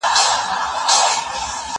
مياشت که يوه ده، ورځي ئې ډېري دي.